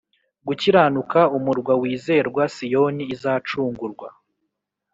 Gukiranuka Umurwa Wizerwa Siyoni izacungurwa